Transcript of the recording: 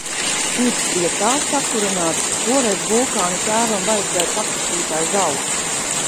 Pirts bija tā sakurināta, ka šoreiz Vulkāna tēvam vajadzēja pakasīt aiz auss.